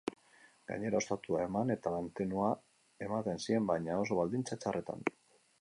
Gainera, ostatua eman eta mantenua ematen zien, baina oso baldintza txarretan.